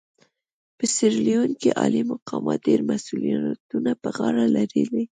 په سیریلیون کې عالي مقامان ډېر مسوولیتونه پر غاړه لري.